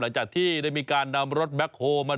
หลังจากที่ได้มีการนำรถแบ็คโฮลมา